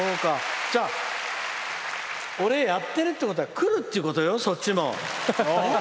俺、やってるっていうことは来るっていうことよ、そっちも！